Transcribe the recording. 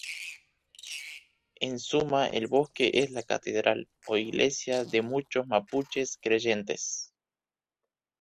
En suma el bosque es la catedral o iglesia de muchos mapuches creyentes.